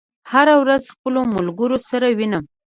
هره ورځ خپلو ملګرو سره وینم